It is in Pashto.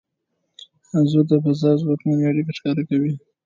انځور د فضا او ځمکې اړیکه ښکاره کوي.